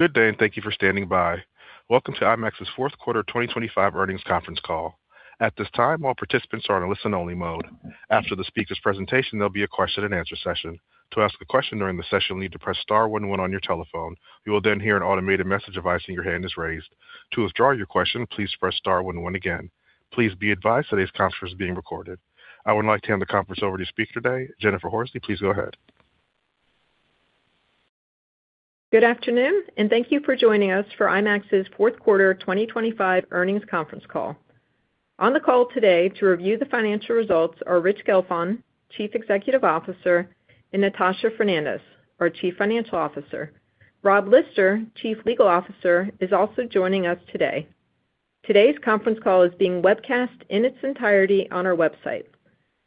Good day. Thank you for standing by. Welcome to IMAX's fourth quarter 2025 earnings conference call. At this time, all participants are in a listen-only mode. After the speaker's presentation, there'll be a question-and-answer session. To ask a question during the session, you'll need to press star one one on your telephone. You will hear an automated message advising your hand is raised. To withdraw your question, please press star one one again. Please be advised today's conference is being recorded. I would like to hand the conference over to speaker today, Jennifer Horsley. Please go ahead. Good afternoon, and thank you for joining us for IMAX's fourth quarter 2025 earnings conference call. On the call today to review the financial results are Rich Gelfond, Chief Executive Officer, and Natasha Fernandes, our Chief Financial Officer. Rob Lister, Chief Legal Officer, is also joining us today. Today's conference call is being webcast in its entirety on our website.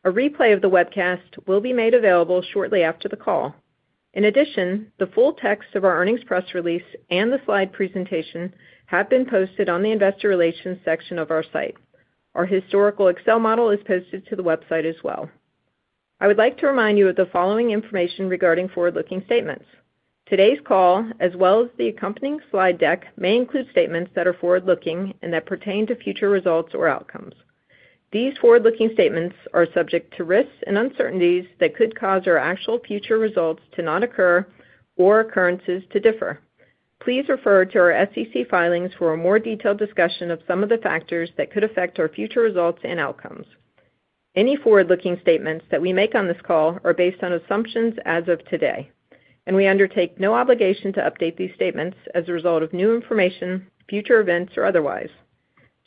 A replay of the webcast will be made available shortly after the call. In addition, the full text of our earnings press release and the slide presentation have been posted on the investor relations section of our site. Our historical Excel model is posted to the website as well. I would like to remind you of the following information regarding forward-looking statements. Today's call, as well as the accompanying slide deck, may include statements that are forward-looking and that pertain to future results or outcomes. These forward-looking statements are subject to risks and uncertainties that could cause our actual future results to not occur or occurrences to differ. Please refer to our SEC filings for a more detailed discussion of some of the factors that could affect our future results and outcomes. Any forward-looking statements that we make on this call are based on assumptions as of today, and we undertake no obligation to update these statements as a result of new information, future events, or otherwise.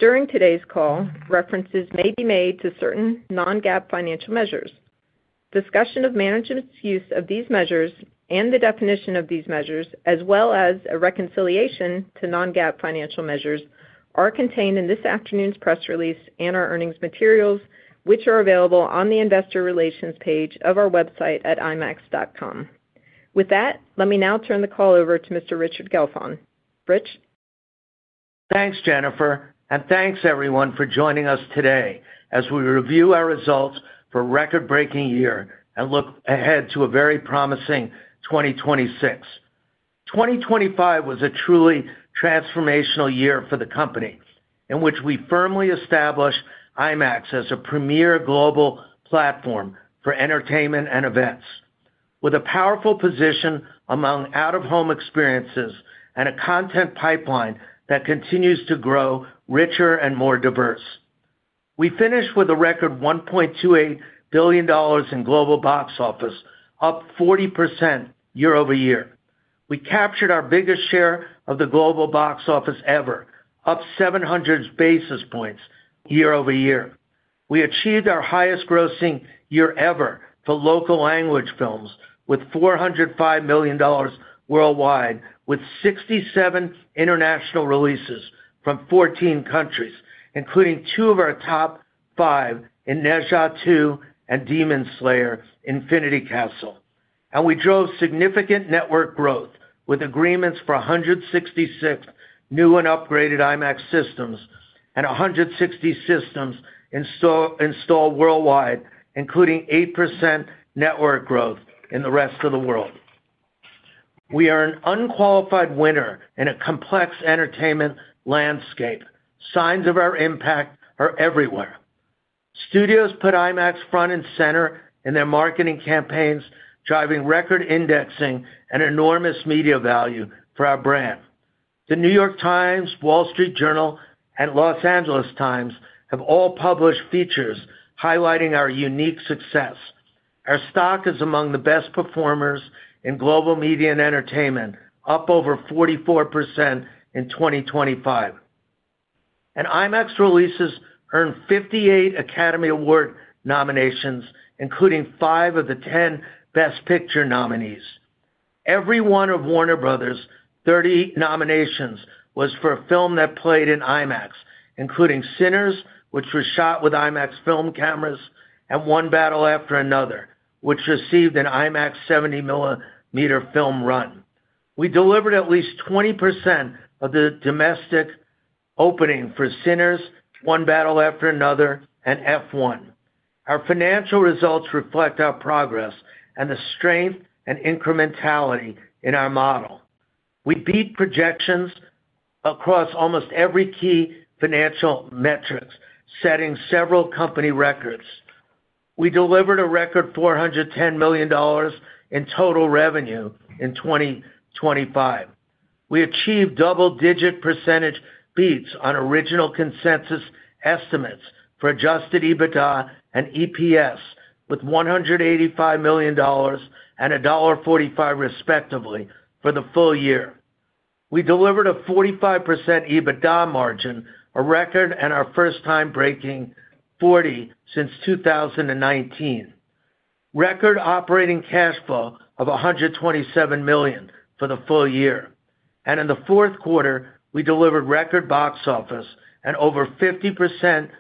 During today's call, references may be made to certain non-GAAP financial measures. Discussion of management's use of these measures and the definition of these measures, as well as a reconciliation to non-GAAP financial measures, are contained in this afternoon's press release and our earnings materials, which are available on the investor relations page of our website at imax.com. With that, let me now turn the call over to Mr. Richard Gelfond. Rich? Thanks, Jennifer. Thanks everyone for joining us today as we review our results for a record-breaking year and look ahead to a very promising 2026. 2025 was a truly transformational year for the company, in which we firmly established IMAX as a premier global platform for entertainment and events, with a powerful position among out-of-home experiences and a content pipeline that continues to grow richer and more diverse. We finished with a record $1.28 billion in global box office, up 40% year-over-year. We captured our biggest share of the global box office ever, up 700 basis points year-over-year. We achieved our highest grossing year ever for local language films, with $405 million worldwide, with 67 international releases from 14 countries, including two of our top five in Ne Zha 2 and Demon Slayer: Infinity Castle. We drove significant network growth with agreements for 166 new and upgraded IMAX systems and 160 systems installed worldwide, including 8% network growth in the rest of the world. We are an unqualified winner in a complex entertainment landscape. Signs of our impact are everywhere. Studios put IMAX front and center in their marketing campaigns, driving record indexing and enormous media value for our brand. The New York Times, Wall Street Journal, and Los Angeles Times have all published features highlighting our unique success. Our stock is among the best performers in global media and entertainment, up over 44% in 2025. IMAX releases earned 58 Academy Award nominations, including five of the 10 Best Picture nominees. Every one of Warner Bros.' 38 nominations was for a film that played in IMAX, including Sinners, which was shot with IMAX film cameras, and One Battle After Another, which received an IMAX 70-millimeter film run. We delivered at least 20% of the domestic opening for Sinners, One Battle After Another, and F1. Our financial results reflect our progress and the strength and incrementality in our model. We beat projections across almost every key financial metrics, setting several company records. We delivered a record $410 million in total revenue in 2025. We achieved double-digit % beats on original consensus estimates for Adjusted EBITDA and EPS, with $185 million and $1.45, respectively, for the full year. We delivered a 45% EBITDA margin, a record, and our first time breaking 40 since 2019. Record operating cash flow of $127 million for the full year. In the fourth quarter, we delivered record box office and over 50%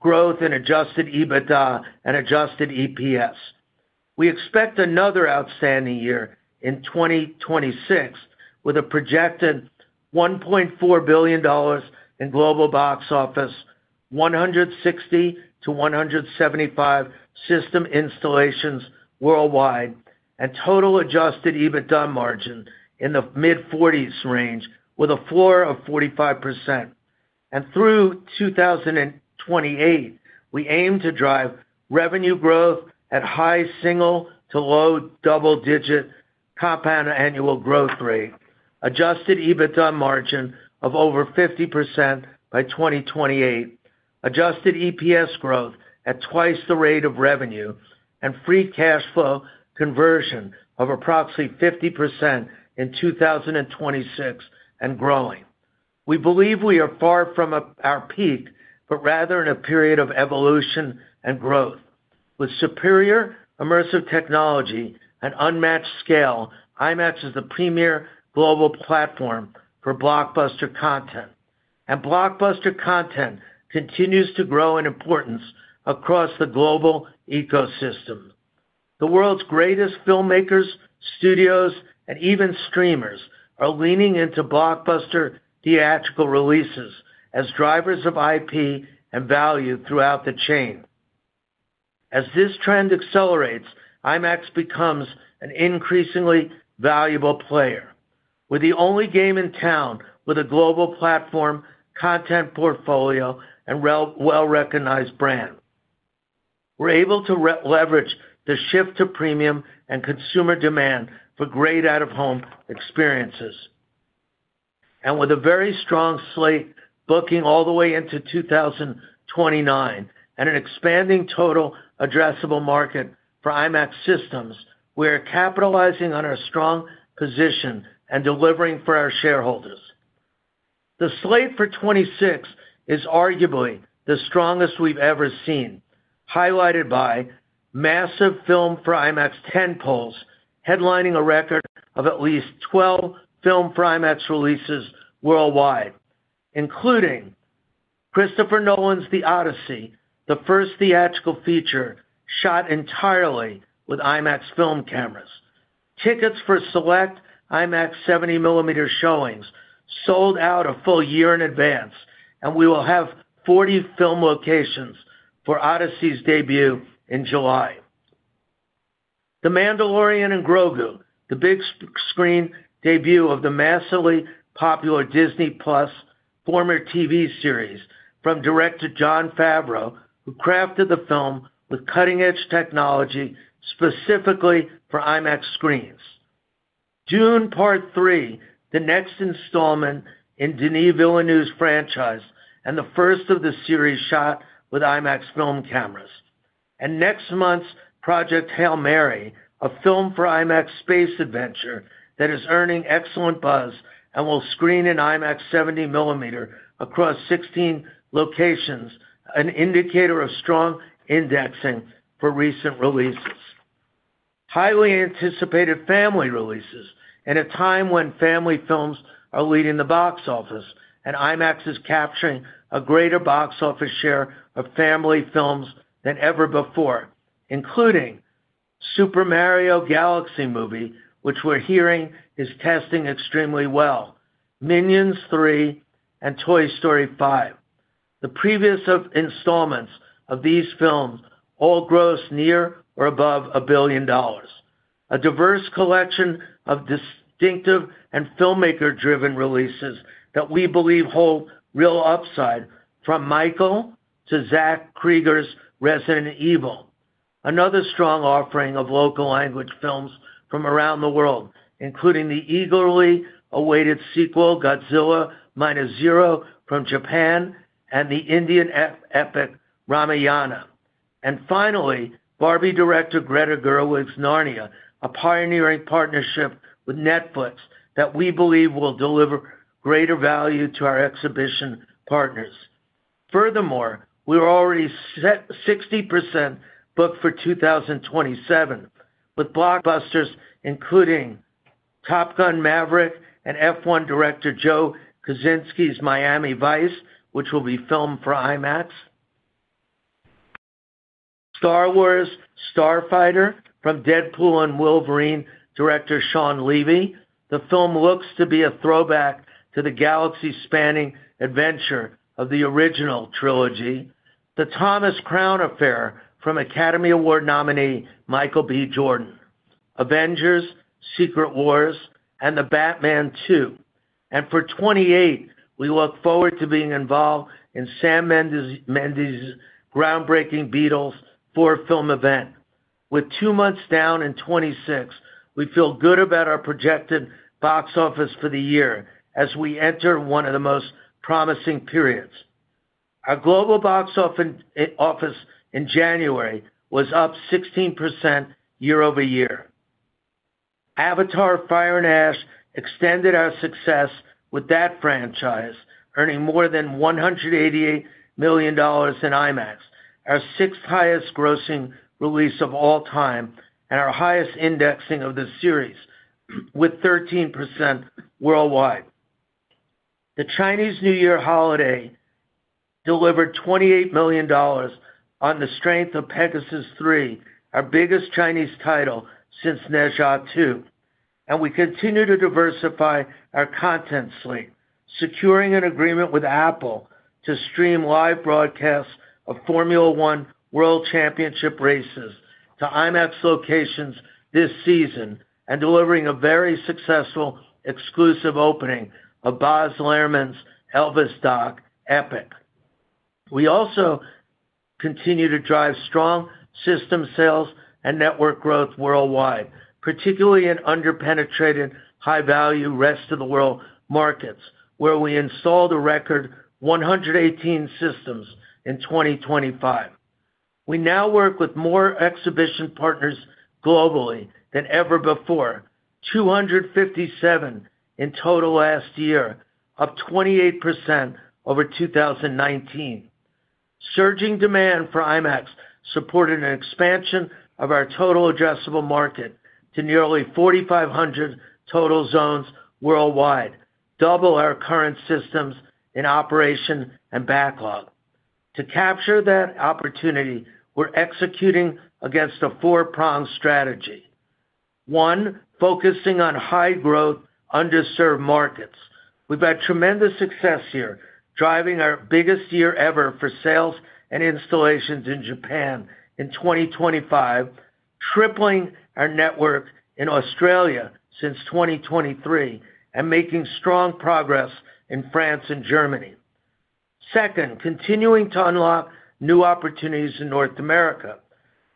growth in Adjusted EBITDA and adjusted EPS. We expect another outstanding year in 2026, with a projected $1.4 billion in global box office, 160-175 system installations worldwide, and total Adjusted EBITDA margin in the mid-forties range, with a floor of 45%. Through 2028, we aim to drive revenue growth at high single to low double-digit compound annual growth rate, Adjusted EBITDA margin of over 50% by 2028, adjusted EPS growth at twice the rate of revenue, and free cash flow conversion of approximately 50% in 2026 and growing. We believe we are far from our peak, but rather in a period of evolution and growth. With superior immersive technology and unmatched scale, IMAX is the premier global platform for blockbuster content, and blockbuster content continues to grow in importance across the global ecosystem. The world's greatest filmmakers, studios, and even streamers are leaning into blockbuster theatrical releases as drivers of IP and value throughout the chain. As this trend accelerates, IMAX becomes an increasingly valuable player. We're the only game in town with a global platform, content portfolio, and well-recognized brand. We're able to re- leverage the shift to premium and consumer demand for great out-of-home experiences. With a very strong slate booking all the way into 2029 and an expanding total addressable market for IMAX systems, we are capitalizing on our strong position and delivering for our shareholders. The slate for 2026 is arguably the strongest we've ever seen, highlighted by massive film for IMAX Tentpoles, headlining a record of at least 12 film for IMAX releases worldwide, including Christopher Nolan's The Odyssey, the first theatrical feature shot entirely with IMAX film cameras. Tickets for select IMAX 70-millimeter showings sold out a full year in advance, and we will have 40 film locations for Odyssey's debut in July. The Mandalorian and Grogu, the big screen debut of the massively popular Disney+ former TV series from director Jon Favreau, who crafted the film with cutting-edge technology specifically for IMAX screens. Dune: Part Three, the next installment in Denis Villeneuve's franchise and the first of the series shot with IMAX film cameras. Next month's Project Hail Mary, a film for IMAX space adventure that is earning excellent buzz and will screen in IMAX 70-millimeter across 16 locations, an indicator of strong indexing for recent releases. Highly anticipated family releases at a time when family films are leading the box office, and IMAX is capturing a greater box office share of family films than ever before, including Super Mario Galaxy Movie, which we're hearing is testing extremely well, Minions 3, and Toy Story 5. The previous of installments of these films all grossed near or above $1 billion. A diverse collection of distinctive and filmmaker-driven releases that we believe hold real upside, from Michael to Zach Cregger's Resident Evil. Another strong offering of local language films from around the world, including the eagerly awaited sequel, Godzilla Minus One, from Japan, and the Indian epic Ramayana. Finally, Barbie director Greta Gerwig's Narnia, a pioneering partnership with Netflix that we believe will deliver greater value to our exhibition partners. Furthermore, we are already set 60% booked for 2027, with blockbusters including Top Gun: Maverick and F1 director Joseph Kosinski's Miami Vice, which will be filmed for IMAX. Star Wars: Starfighter from Deadpool & Wolverine, director Shawn Levy. The film looks to be a throwback to the galaxy-spanning adventure of the original trilogy. The Thomas Crown Affair from Academy Award nominee Michael B. Jordan, Avengers: Secret Wars, and The Batman – Part II. For 2028, we look forward to being involved in Sam Mendes' groundbreaking The Beatles four-film event. With two months down in 2026, we feel good about our projected box office for the year as we enter one of the most promising periods. Our global box office in January was up 16% year-over-year. Avatar: Fire and Ash extended our success with that franchise, earning more than $188 million in IMAX, our sixth highest grossing release of all time, and our highest indexing of the series with 13% worldwide. The Chinese New Year holiday delivered $28 million on the strength of Pegasus 3, our biggest Chinese title since Ne Zha 2. We continue to diversify our content slate, securing an agreement with Apple to stream live broadcasts of Formula One World Championship races to IMAX locations this season, and delivering a very successful exclusive opening of Baz Luhrmann's Elvis doc, EPiC. We also continue to drive strong system sales and network growth worldwide, particularly in under-penetrated, high-value rest-of-the-world markets, where we installed a record 118 systems in 2025. We now work with more exhibition partners globally than ever before, 257 in total last year, up 28% over 2019. Surging demand for IMAX supported an expansion of our total addressable market to nearly 4,500 total zones worldwide, double our current systems in operation and backlog. To capture that opportunity, we're executing against a four-pronged strategy. One, focusing on high-growth, underserved markets. We've had tremendous success here, driving our biggest year ever for sales and installations in Japan in 2025, tripling our network in Australia since 2023, and making strong progress in France and Germany. Second, continuing to unlock new opportunities in North America.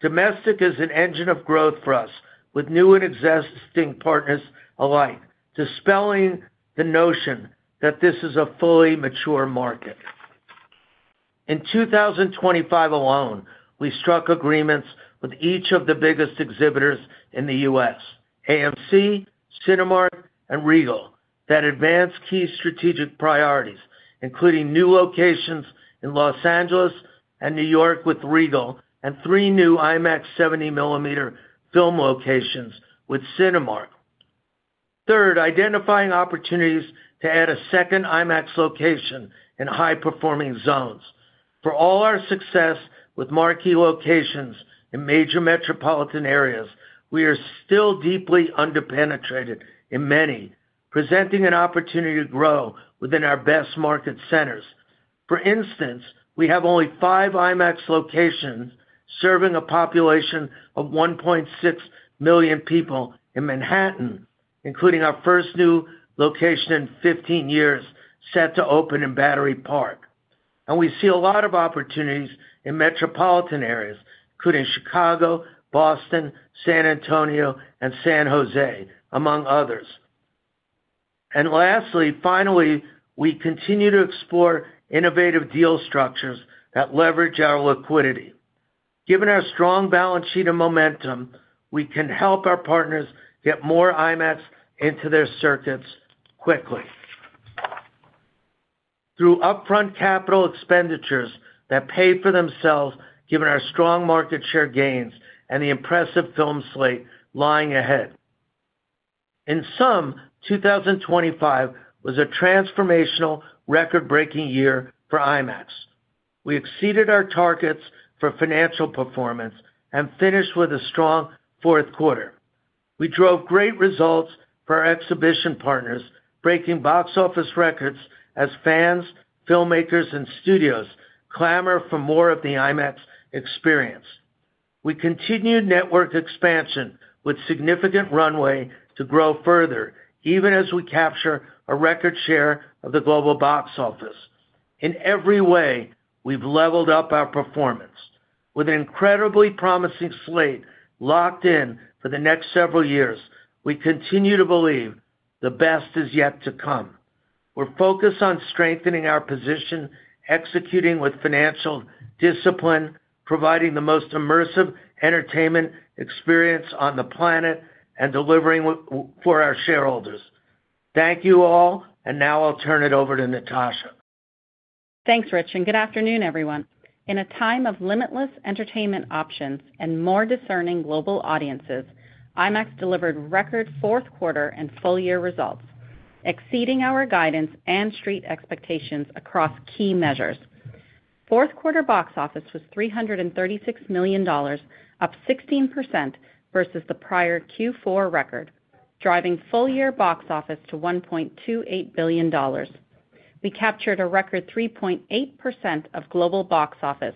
Domestic is an engine of growth for us, with new and existing partners alike, dispelling the notion that this is a fully mature market. In 2025 alone, we struck agreements with each of the biggest exhibitors in the U.S., AMC, Cinemark, and Regal, that advanced key strategic priorities, including new locations in Los Angeles and New York with Regal, and three new IMAX 70-millimeter film locations with Cinemark. Third, identifying opportunities to add a second IMAX location in high-performing zones. For all our success with marquee locations in major metropolitan areas, we are still deeply under-penetrated in many, presenting an opportunity to grow within our best market centers. For instance, we have only 5 IMAX locations serving a population of 1.6 million people in Manhattan, including our first new location in 15 years, set to open in Battery Park. We see a lot of opportunities in metropolitan areas, including Chicago, Boston, San Antonio, and San Jose, among others. Lastly, finally, we continue to explore innovative deal structures that leverage our liquidity. Given our strong balance sheet and momentum, we can help our partners get more IMAX into their circuits quickly. Through upfront capital expenditures that pay for themselves, given our strong market share gains and the impressive film slate lying ahead. In sum, 2025 was a transformational, record-breaking year for IMAX. We exceeded our targets for financial performance and finished with a strong fourth quarter. We drove great results for our exhibition partners, breaking box office records as fans, filmmakers, and studios clamor for more of the IMAX experience. We continued network expansion with significant runway to grow further, even as we capture a record share of the global box office. In every way, we've leveled up our performance. With an incredibly promising slate locked in for the next several years, we continue to believe the best is yet to come. We're focused on strengthening our position, executing with financial discipline, providing the most immersive entertainment experience on the planet, and delivering for our shareholders. Thank you all. Now I'll turn it over to Natasha. Thanks, Rich. Good afternoon, everyone. In a time of limitless entertainment options and more discerning global audiences, IMAX delivered record fourth quarter and full-year results, exceeding our guidance and street expectations across key measures. Fourth quarter box office was $336 million, up 16% versus the prior Q4 record, driving full-year box office to $1.28 billion. We captured a record 3.8% of global box office,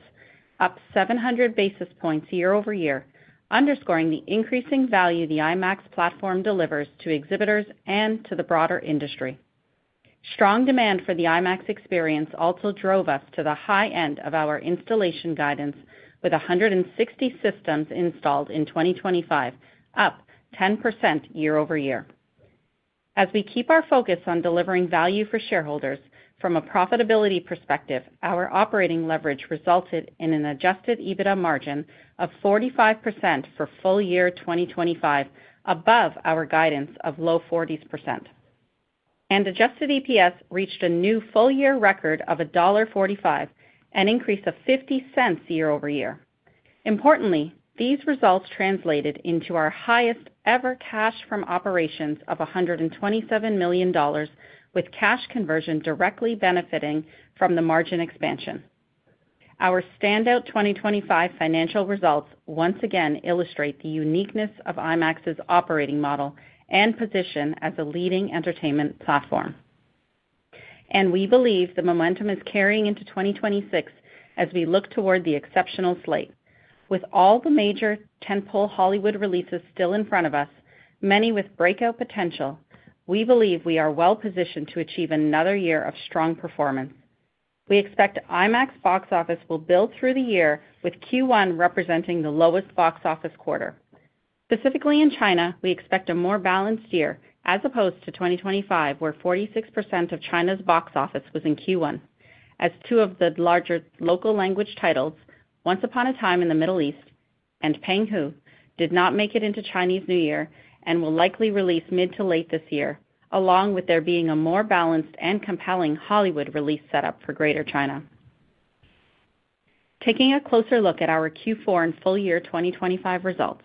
up 700 basis points year-over-year, underscoring the increasing value the IMAX platform delivers to exhibitors and to the broader industry. Strong demand for the IMAX experience also drove us to the high end of our installation guidance, with 160 systems installed in 2025, up 10% year-over-year. As we keep our focus on delivering value for shareholders, from a profitability perspective, our operating leverage resulted in an Adjusted EBITDA margin of 45% for full year 2025, above our guidance of low 40%. Adjusted EPS reached a new full-year record of $1.45, an increase of $0.50 year-over-year. Importantly, these results translated into our highest-ever cash from operations of $127 million, with cash conversion directly benefiting from the margin expansion. Our standout 2025 financial results once again illustrate the uniqueness of IMAX's operating model and position as a leading entertainment platform. We believe the momentum is carrying into 2026 as we look toward the exceptional slate. With all the major tentpole Hollywood releases still in front of us, many with breakout potential, we believe we are well-positioned to achieve another year of strong performance. We expect IMAX box office will build through the year, with Q1 representing the lowest box office quarter. Specifically in China, we expect a more balanced year as opposed to 2025, where 46% of China's box office was in Q1, as two of the larger local language titles, Once Upon a Time in the Middle East and Fengshen 2, did not make it into Chinese New Year and will likely release mid to late this year, along with there being a more balanced and compelling Hollywood release setup for Greater China. Taking a closer look at our Q4 and full year 2025 results,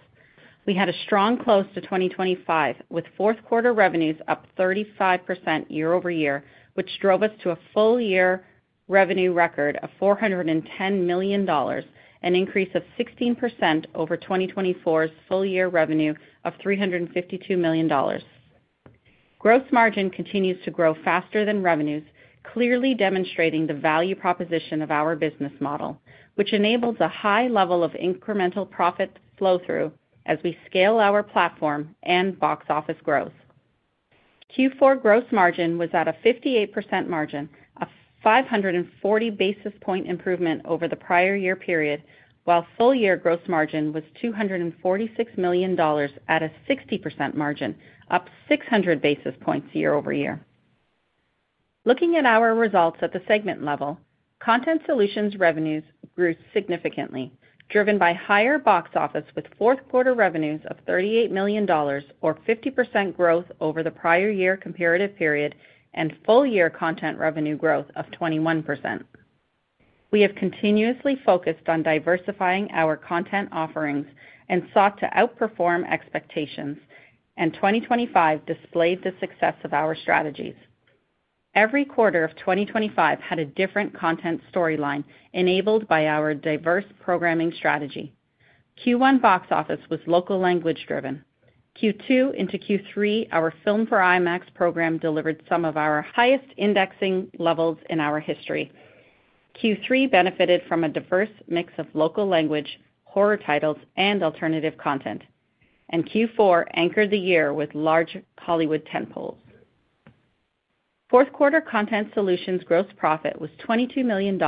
we had a strong close to 2025, with fourth quarter revenues up 35% year-over-year, which drove us to a full-year revenue record of $410 million, an increase of 16% over 2024's full year revenue of $352 million. Gross margin continues to grow faster than revenues, clearly demonstrating the value proposition of our business model, which enables a high level of incremental profit flow-through as we scale our platform and box office growth. Q4 gross margin was at a 58% margin, a 540 basis point improvement over the prior year period, while full-year gross margin was $246 million at a 60% margin, up 600 basis points year-over-year. Looking at our results at the segment level, content solutions revenues grew significantly, driven by higher box office, with fourth quarter revenues of $38 million or 50% growth over the prior year comparative period, and full-year content revenue growth of 21%. We have continuously focused on diversifying our content offerings and sought to outperform expectations, and 2025 displayed the success of our strategies. Every quarter of 2025 had a different content storyline enabled by our diverse programming strategy. Q1 box office was local language-driven. Q2 into Q3, our Film for IMAX program delivered some of our highest indexing levels in our history. Q3 benefited from a diverse mix of local language, horror titles, and alternative content. Q4 anchored the year with large Hollywood tentpoles. Fourth quarter content solutions gross profit was $22 million,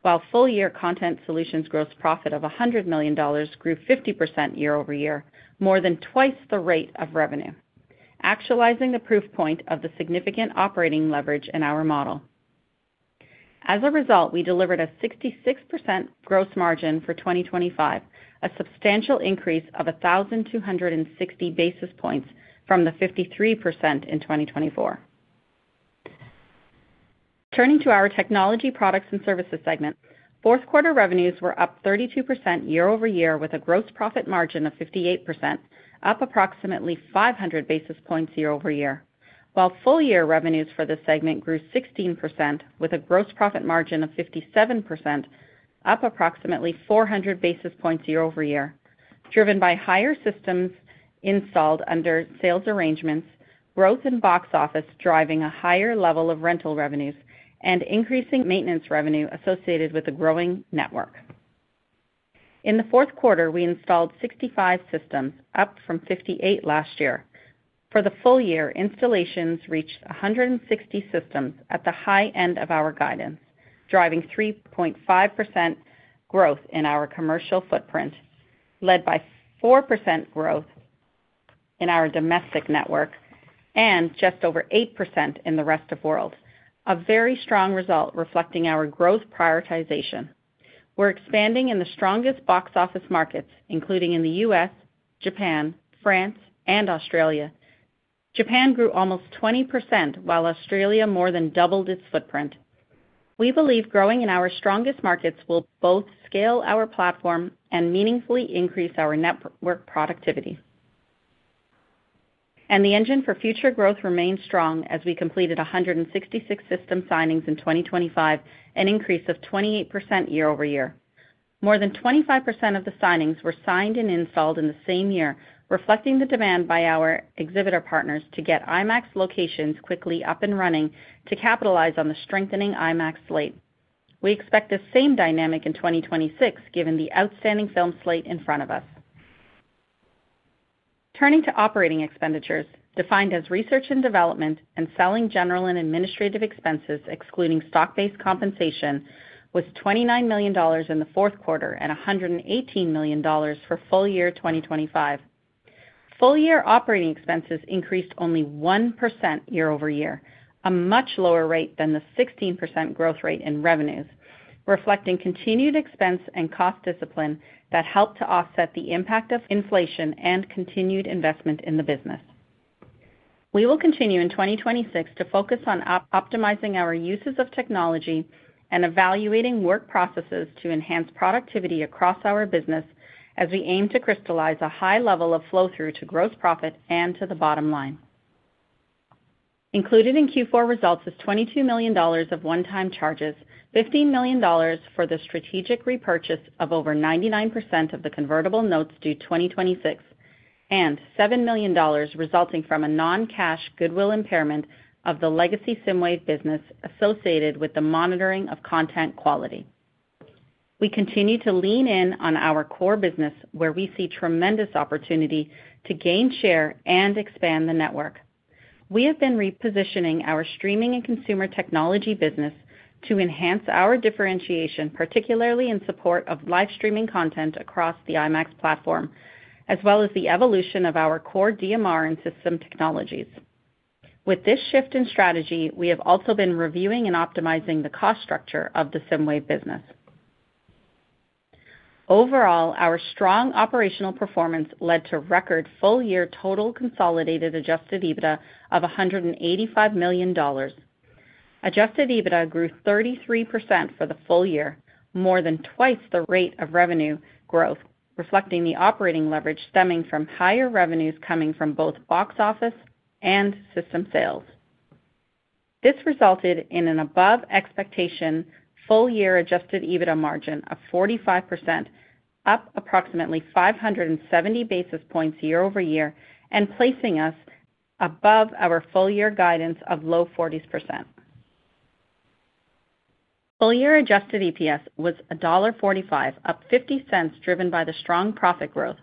while full-year content solutions gross profit of $100 million grew 50% year-over-year, more than twice the rate of revenue, actualizing the proof point of the significant operating leverage in our model. As a result, we delivered a 66% gross margin for 2025, a substantial increase of 1,260 basis points from the 53% in 2024. Turning to our technology products and services segment, fourth quarter revenues were up 32% year-over-year, with a gross profit margin of 58%, up approximately 500 basis points year-over-year, while full-year revenues for this segment grew 16% with a gross profit margin of 57%, up approximately 400 basis points year-over-year, driven by higher systems installed under sales arrangements, growth in box office, driving a higher level of rental revenues and increasing maintenance revenue associated with the growing network. In the fourth quarter, we installed 65 systems, up from 58 last year. For the full year, installations reached 160 systems at the high end of our guidance, driving 3.5% growth in our commercial footprint, led by 4% growth in our domestic network and just over 8% in the rest of world. A very strong result reflecting our growth prioritization. We're expanding in the strongest box office markets, including in the U.S., Japan, France, and Australia. Japan grew almost 20%, while Australia more than doubled its footprint. We believe growing in our strongest markets will both scale our platform and meaningfully increase our network productivity. The engine for future growth remains strong as we completed 166 system signings in 2025, an increase of 28% year-over-year. More than 25% of the signings were signed and installed in the same year, reflecting the demand by our exhibitor partners to get IMAX locations quickly up and running to capitalize on the strengthening IMAX slate. We expect the same dynamic in 2026, given the outstanding film slate in front of us. Turning to operating expenditures, defined as research and development and selling general and administrative expenses, excluding stock-based compensation, was $29 million in the fourth quarter and $118 million for full year 2025. Full-year operating expenses increased only 1% year-over-year, a much lower rate than the 16% growth rate in revenues, reflecting continued expense and cost discipline that helped to offset the impact of inflation and continued investment in the business. We will continue in 2026 to focus on optimizing our uses of technology and evaluating work processes to enhance productivity across our business as we aim to crystallize a high level of flow-through to gross profit and to the bottom line. Included in Q4 results is $22 million of one-time charges, $15 million for the strategic repurchase of over 99% of the convertible notes due 2026, and $7 million resulting from a non-cash goodwill impairment of the legacy StreamWave business associated with the monitoring of content quality. We continue to lean in on our core business, where we see tremendous opportunity to gain share and expand the network. We have been repositioning our streaming and consumer technology business to enhance our differentiation, particularly in support of live streaming content across the IMAX platform, as well as the evolution of our core DMR and system technologies. With this shift in strategy, we have also been reviewing and optimizing the cost structure of the StreamWave business. Overall, our strong operational performance led to record full-year total consolidated Adjusted EBITDA of $185 million. Adjusted EBITDA grew 33% for the full year, more than twice the rate of revenue growth, reflecting the operating leverage stemming from higher revenues coming from both box office and system sales. This resulted in an above-expectation full-year Adjusted EBITDA margin of 45%, up approximately 570 basis points year-over-year, and placing us above our full-year guidance of low 40%. Full-year adjusted EPS was $1.45, up $0.50, driven by the strong profit growth.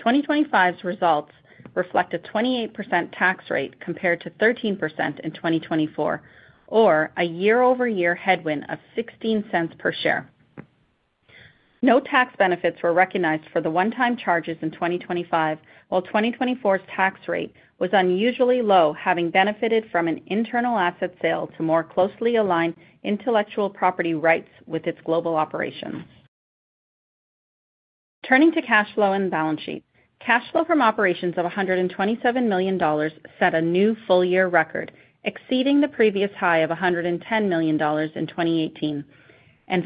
2025's results reflect a 28% tax rate compared to 13% in 2024, or a year-over-year headwind of $0.16 per share. No tax benefits were recognized for the one-time charges in 2025, while 2024's tax rate was unusually low, having benefited from an internal asset sale to more closely align intellectual property rights with its global operations. Turning to cash flow and the balance sheet. Cash flow from operations of $127 million set a new full-year record, exceeding the previous high of $110 million in 2018.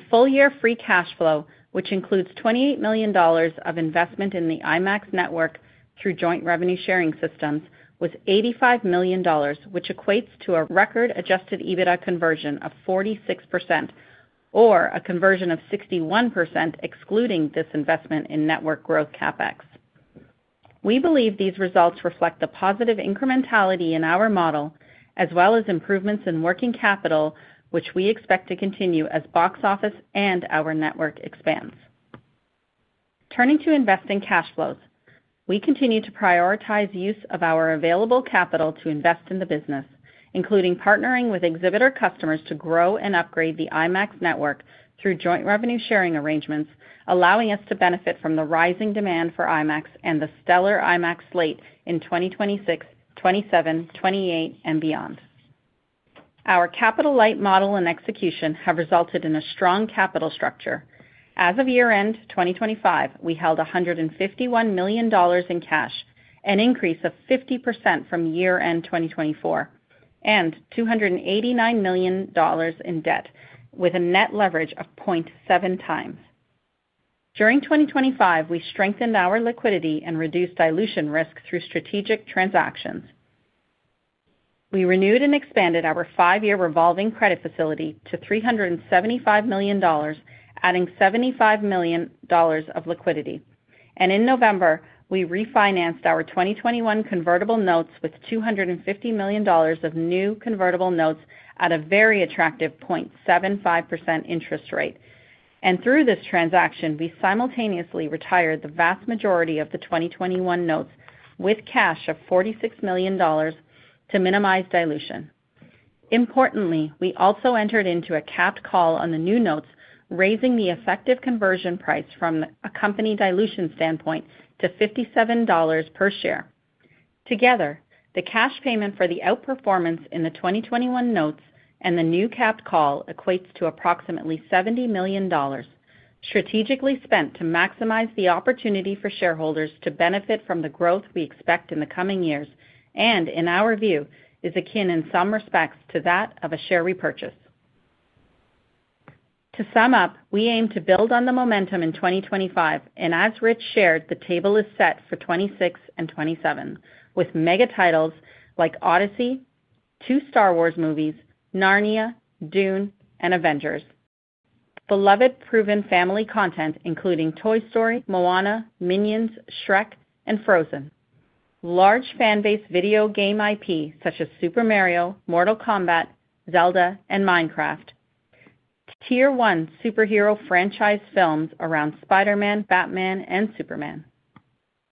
Full-year free cash flow, which includes $28 million of investment in the IMAX network through joint revenue sharing systems, was $85 million, which equates to a record Adjusted EBITDA conversion of 46%, or a conversion of 61%, excluding this investment in network growth CapEx. We believe these results reflect the positive incrementality in our model, as well as improvements in working capital, which we expect to continue as box office and our network expands. Turning to investing cash flows. We continue to prioritize use of our available capital to invest in the business, including partnering with exhibitor customers to grow and upgrade the IMAX network through joint revenue sharing arrangements, allowing us to benefit from the rising demand for IMAX and the stellar IMAX slate in 2026, 2027, 2028 and beyond. Our capital-light model and execution have resulted in a strong capital structure. As of year-end 2025, we held $151 million in cash, an increase of 50% from year-end 2024, and $289 million in debt, with a net leverage of 0.7x. During 2025, we strengthened our liquidity and reduced dilution risk through strategic transactions. We renewed and expanded our five-year revolving credit facility to $375 million, adding $75 million of liquidity. In November, we refinanced our 2021 convertible notes with $250 million of new convertible notes at a very attractive 0.75% interest rate. Through this transaction, we simultaneously retired the vast majority of the 2021 notes with cash of $46 million to minimize dilution. Importantly, we also entered into a capped call on the new notes, raising the effective conversion price from a company dilution standpoint to $57 per share. Together, the cash payment for the outperformance in the 2021 notes and the new capped call equates to approximately $70 million, strategically spent to maximize the opportunity for shareholders to benefit from the growth we expect in the coming years, and in our view, is akin, in some respects, to that of a share repurchase. To sum up, we aim to build on the momentum in 2025, and as Rich Gelfond shared, the table is set for 2026 and 2027 with mega titles like The Odyssey, two Star Wars movies, Narnia, Dune, and Avengers. Beloved proven family content, including Toy Story, Moana, Minions, Shrek, and Frozen. Large fan base video game IP, such as Super Mario, Mortal Kombat, The Legend of Zelda, and Minecraft. Tier one superhero franchise films around Spider-Man, Batman, and Superman,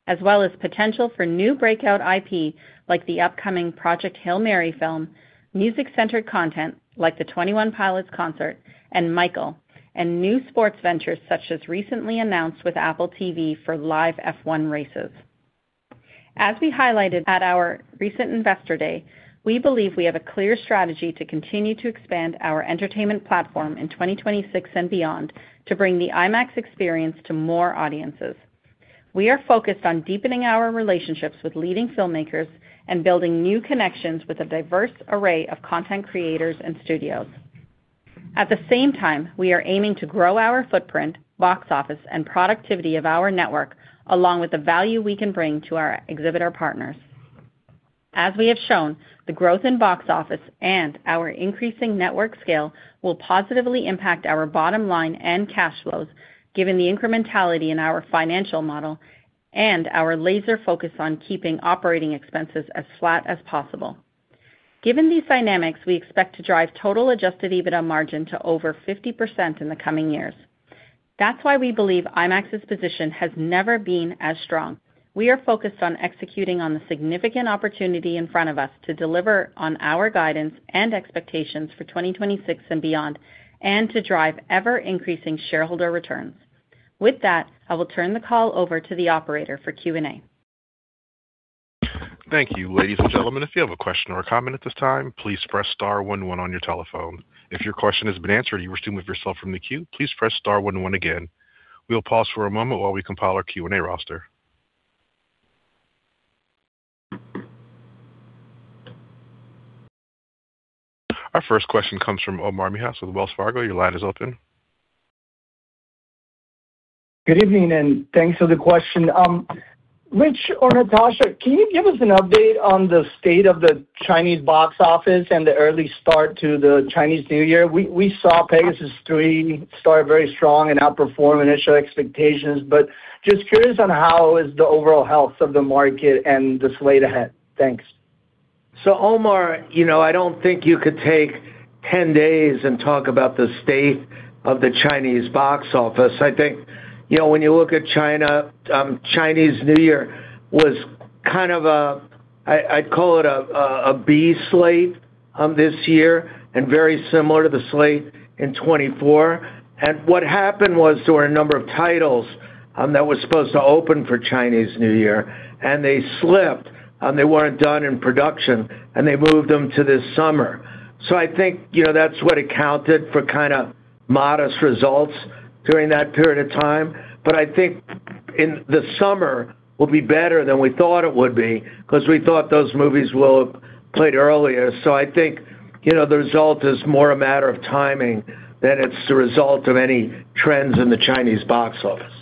as well as potential for new breakout IP, like the upcoming Project Hail Mary film, music-centered content like the Twenty One Pilots concert and Michael, and new sports ventures such as recently announced with Apple TV for live F1 races. As we highlighted at our recent Investor Day, we believe we have a clear strategy to continue to expand our entertainment platform in 2026 and beyond to bring the IMAX experience to more audiences. We are focused on deepening our relationships with leading filmmakers and building new connections with a diverse array of content creators and studios. At the same time, we are aiming to grow our footprint, box office, and productivity of our network, along with the value we can bring to our exhibitor partners. As we have shown, the growth in box office and our increasing network scale will positively impact our bottom line and cash flows, given the incrementality in our financial model and our laser focus on keeping operating expenses as flat as possible. Given these dynamics, we expect to drive total Adjusted EBITDA margin to over 50% in the coming years. That's why we believe IMAX's position has never been as strong. We are focused on executing on the significant opportunity in front of us to deliver on our guidance and expectations for 2026 and beyond, and to drive ever-increasing shareholder returns. With that, I will turn the call over to the operator for Q&A. Thank you. Ladies and gentlemen, if you have a question or a comment at this time, please press star one one on your telephone. If your question has been answered, and you wish to remove yourself from the queue, please press star one one again. We'll pause for a moment while we compile our Q&A roster. Our first question comes from Omar Mejias with Wells Fargo. Your line is open. Good evening, and thanks for the question. Rich or Natasha, can you give us an update on the state of the Chinese box office and the early start to the Chinese New Year? We saw Pegasus 3 start very strong and outperform initial expectations. Just curious on how is the overall health of the market and the slate ahead. Thanks. Omar, you know, I don't think you could take 10 days and talk about the state of the Chinese box office. I think, you know, when you look at China, Chinese New Year was kind of a B slate this year, and very similar to the slate in 2024. What happened was, there were a number of titles that were supposed to open for Chinese New Year, and they slipped, and they weren't done in production, and they moved them to this summer. I think, you know, that's what accounted for kind of modest results during that period of time. I think in the summer will be better than we thought it would be, because we thought those movies will have played earlier. I think, you know, the result is more a matter of timing than it's the result of any trends in the Chinese box office.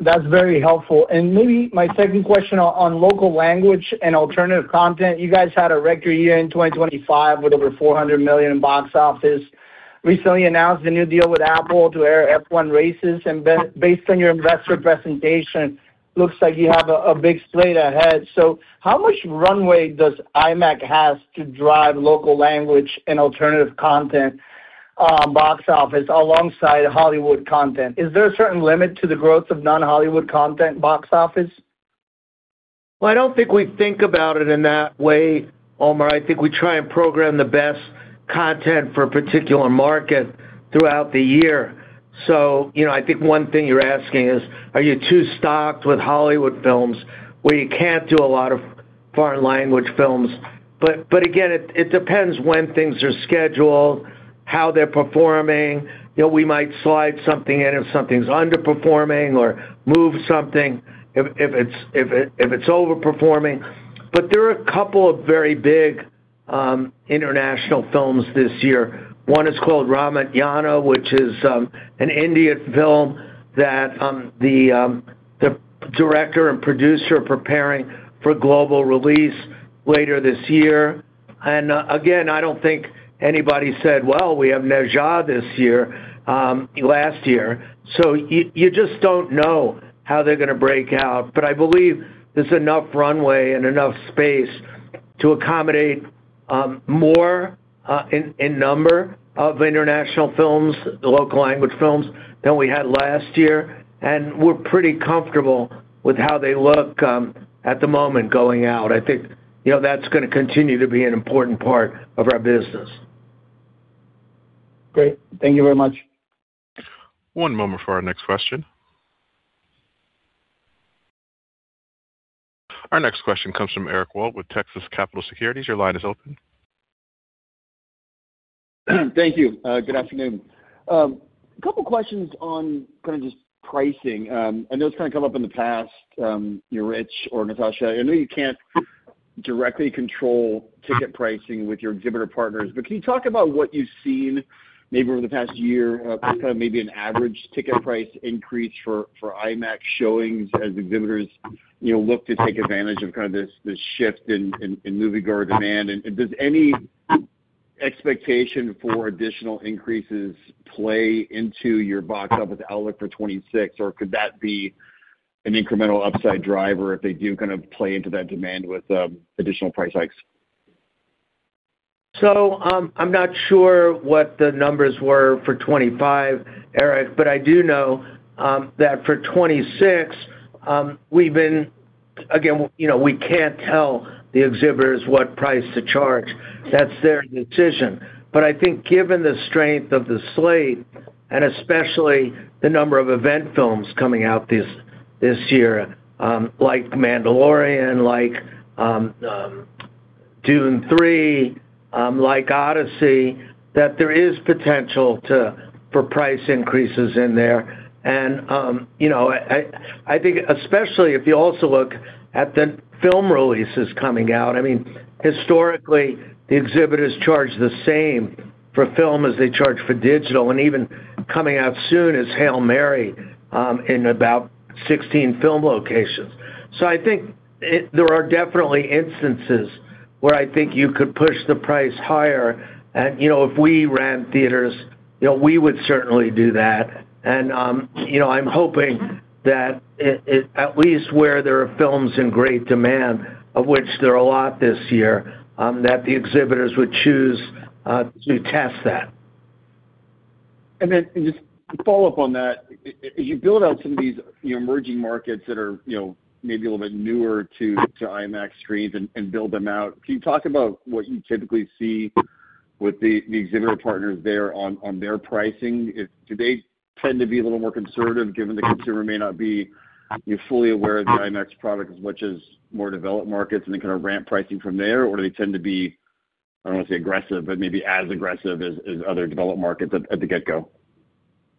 That's very helpful. Maybe my second question on local language and alternative content. You guys had a record year in 2025 with over $400 million in box office. Recently announced a new deal with Apple to air F1 races, and based on your investor presentation, looks like you have a big slate ahead. How much runway does IMAX have to drive local language and alternative content box office alongside Hollywood content? Is there a certain limit to the growth of non-Hollywood content box office? I don't think we think about it in that way, Omar. I think we try and program the best content for a particular market throughout the year. You know, I think one thing you're asking is, are you too stocked with Hollywood films, where you can't do a lot of foreign language films? Again, it depends when things are scheduled, how they're performing. You know, we might slide something in if something's underperforming or move something if it's overperforming. There are a couple of very big international films this year. One is called Ramayana, which is an Indian film that the director and producer are preparing for global release later this year. Again, I don't think anybody said, "Well, we have Ne Zha this year, last year." You just don't know how they're going to break out. I believe there's enough runway and enough space to accommodate more in number of international films, the local language films, than we had last year. We're pretty comfortable with how they look at the moment going out. I think, you know, that's going to continue to be an important part of our business. Great. Thank you very much. One moment for our next question. Our next question comes from Eric Wold with Texas Capital Securities. Your line is open. Thank you. Good afternoon. A couple questions on kind of just pricing. I know it's kind of come up in the past, Rich or Natasha. I know you can't directly control ticket pricing with your exhibitor partners. Can you talk about what you've seen maybe over the past year, kind of maybe an average ticket price increase for IMAX showings as exhibitors, you know, look to take advantage of kind of this shift in moviegoer demand? Does any expectation for additional increases play into your box office outlook for 2026, or could that be an incremental upside driver if they do kind of play into that demand with additional price hikes? I'm not sure what the numbers were for 2025, Eric, but I do know that for 2026, we can't tell the exhibitors what price to charge. That's their decision. I think given the strength of the slate, and especially the number of event films coming out this year, like The Mandalorian, like Dune 3, like The Odyssey, that there is potential for price increases in there. You know, I think especially if you also look at the film releases coming out, I mean, historically, the exhibitors charge the same for film as they charge for digital, and even coming out soon is Project Hail Mary in about 16 film locations. I think there are definitely instances where I think you could push the price higher. You know, if we ran theaters, you know, we would certainly do that. You know, I'm hoping that it at least where there are films in great demand, of which there are a lot this year, that the exhibitors would choose to test that. just to follow up on that, you build out some of these, you know, emerging markets that are, you know, maybe a little bit newer to IMAX screens and build them out. Can you talk about what you typically see with the exhibitor partners there on their pricing? Do they tend to be a little more conservative, given the consumer may not be, you know, fully aware of the IMAX product, as much as more developed markets, and they kind of ramp pricing from there? Or do they tend to be, I don't want to say aggressive, but maybe as aggressive as other developed markets at the get-go?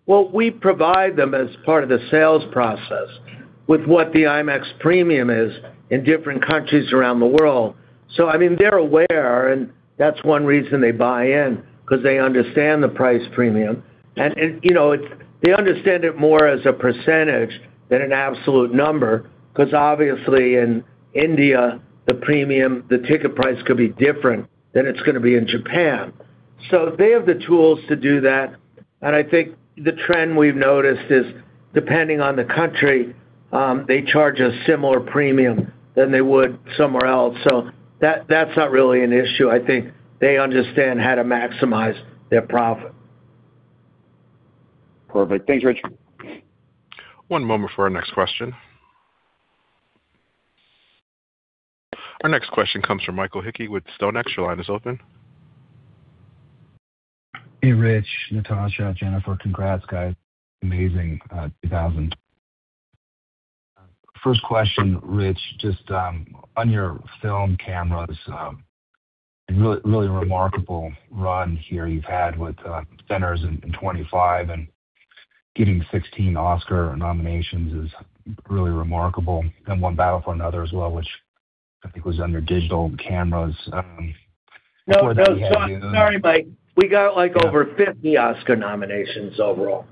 Well, we provide them as part of the sales process with what the IMAX premium is in different countries around the world. I mean, they're aware, and that's one reason they buy in, 'cause they understand the price premium. And, you know, they understand it more as a % than an absolute number, 'cause obviously in India, the premium, the ticket price could be different than it's going to be in Japan. They have the tools to do that, and I think the trend we've noticed is, depending on the country, they charge a similar premium than they would somewhere else. That's not really an issue. I think they understand how to maximize their profit. Perfect. Thanks, Rich. One moment for our next question. Our next question comes from Mike Hickey with StoneX. Your line is open. Hey, Rich, Natasha, Jennifer. Congrats, guys. Amazing, 2,000. First question, Rich, just on your film cameras, really remarkable run here you've had with Sinners and 25, and getting 16 Oscar nominations is really remarkable. One battle for another as well, which I think was under digital cameras. No, no. Sorry, Mike. We got, like, over 50 Oscar nominations overall.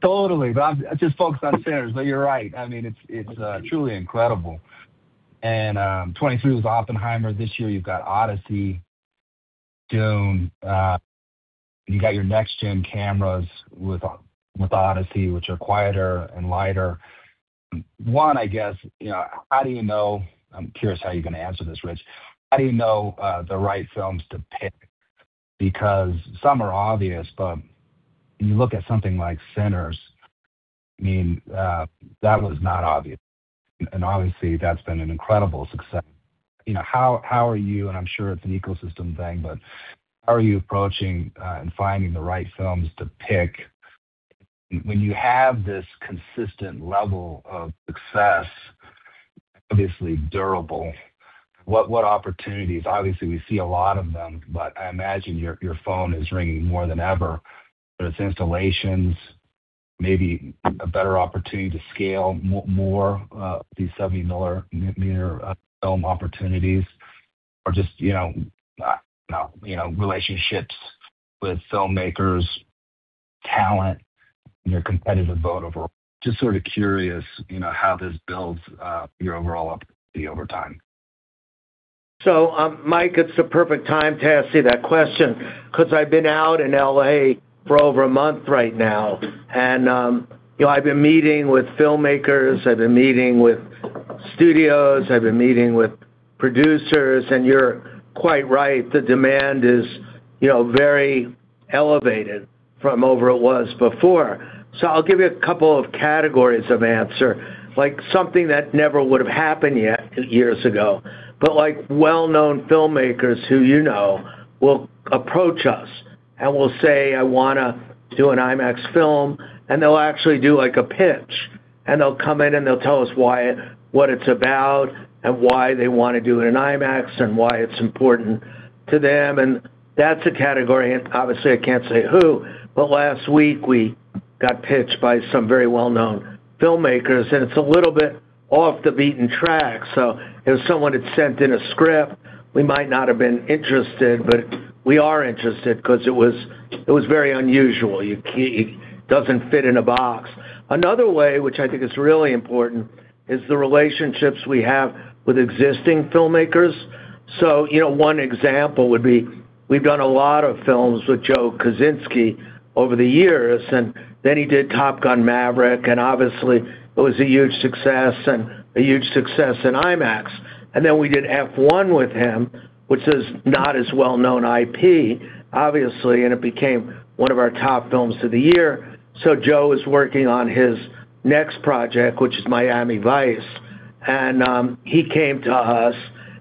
Totally. I'm just focused on Sinners, but you're right. I mean, it's truly incredible. 23 was Oppenheimer. This year, you've got Odyssey, Dune, you got your next-gen cameras with Odyssey, which are quieter and lighter. One, I guess, you know, how do you know? I'm curious how you're going to answer this, Rich. How do you know the right films to pick? Because some are obvious, but when you look at something like Sinners, I mean, that was not obvious. Obviously, that's been an incredible success. You know, and I'm sure it's an ecosystem thing, but how are you approaching and finding the right films to pick? When you have this consistent level of success, obviously durable, what opportunities? Obviously, we see a lot of them, but I imagine your phone is ringing more than ever. Whether it's installations, maybe a better opportunity to scale more, these 70 millimeter film opportunities, or just, you know, relationships with filmmakers, talent, and your competitive vote overall. Just sort of curious, you know, how this builds your overall opportunity over time? Mike, it's the perfect time to ask you that question, 'cause I've been out in L.A. for over a month right now, and, you know, I've been meeting with filmmakers, I've been meeting with studios, I've been meeting with producers, and you're quite right, the demand is, you know, very elevated from over it was before. I'll give you a couple of categories of answer, like something that never would have happened yet years ago, but like, well-known filmmakers who you know, will approach us and will say, "I wanna do an IMAX film," and they'll actually do, like, a pitch, and they'll come in and they'll tell us what it's about, and why they want to do it in IMAX, and why it's important to them. That's a category, and obviously, I can't say who, but last week we got pitched by some very well-known filmmakers, and it's a little bit off the beaten track. If someone had sent in a script, we might not have been interested, but we are interested 'cause it was very unusual. It doesn't fit in a box. Another way, which I think is really important, is the relationships we have with existing filmmakers. You know, one example would be, we've done a lot of films with Joe Kosinski over the years, and then he did Top Gun: Maverick, and obviously, it was a huge success and a huge success in IMAX. Then we did F1 with him, which is not as well-known IP, obviously, and it became one of our top films of the year. Joe is working on his next project, which is Miami Vice, and he came to us.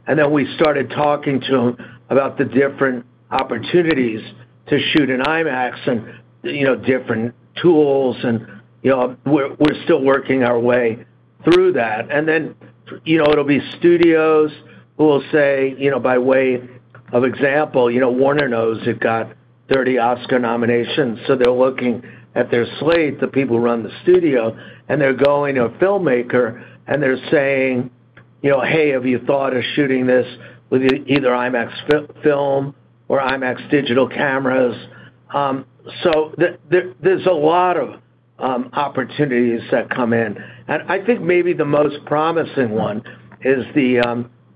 Then we started talking to him about the different opportunities to shoot in IMAX and, you know, different tools, and, you know, we're still working our way through that. Then, you know, it'll be studios who will say, you know, by way of example, you know, Warner knows they've got-... 30 Oscar nominations. They're looking at their slate, the people who run the studio, and they're going to a filmmaker, and they're saying, you know, "Hey, have you thought of shooting this with either IMAX film or IMAX digital cameras?" There's a lot of opportunities that come in. I think maybe the most promising one is the